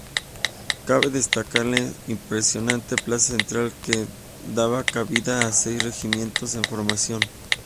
Cabe destacar la impresionante plaza central que daba cabida a seis regimientos en formación.